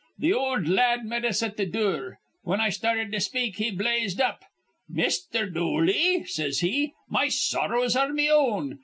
Th' ol' la ad met us at th' dure. Whin I started to speak, he blazed up. 'Misther Dooley,' says he, 'my sorrows are me own.